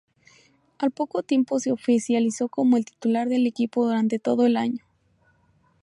Al poco tiempo se oficializó como el titular del equipo durante todo el año.